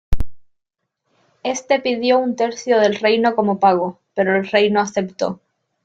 Éste pidió un tercio del reino como pago, pero el rey no aceptó.